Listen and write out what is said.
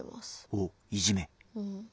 おっいじめ？